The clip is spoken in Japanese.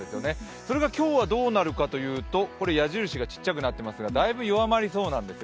それが今日はどうなるかというと矢印が小さくなっていますがだいぶ弱まりそうなんですよ。